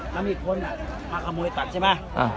เราให้คนมาถามวัยตัดใช่มะ